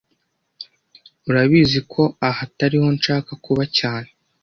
Urabizi ko aha atariho nshaka kuba cyane